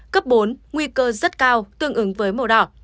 cấp bốn nguy cơ rất cao tương ứng với màu đỏ